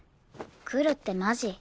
来るってマジ？